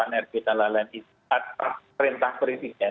aplikasi panet itu dan lain lain itu atas perintah presiden